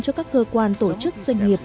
cho các cơ quan tổ chức doanh nghiệp